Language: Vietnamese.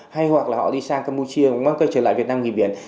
hay hoặc là họ đi sang campuchia ngoan cây trở lại việt nam nghỉ biển